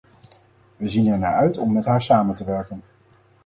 We zien ernaar uit om met haar samen te werken.